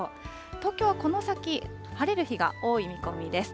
東京はこの先、晴れる日が多い見込みです。